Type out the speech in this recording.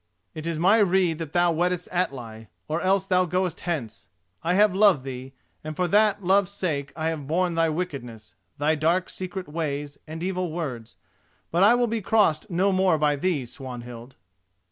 It is my rede that thou weddest Atli, or else thou goest hence. I have loved thee, and for that love's sake I have borne thy wickedness, thy dark secret ways, and evil words; but I will be crossed no more by thee, Swanhild."